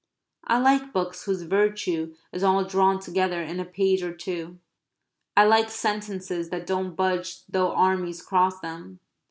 I like books whose virtue is all drawn together in a page or two. I like sentences that don't budge though armies cross them.